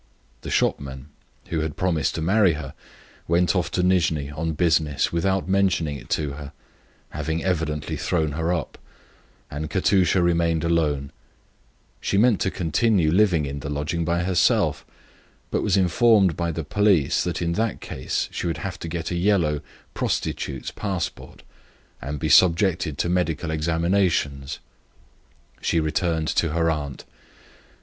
The shopman, who promised to marry her, went to Nijni on business without mentioning it to her, having evidently thrown her up, and Katusha remained alone. She meant to continue living in the lodging by herself, but was informed by the police that in this case she would have to get a license. She returned to her aunt.